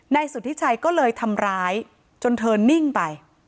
สุธิชัยก็เลยทำร้ายจนเธอนิ่งไป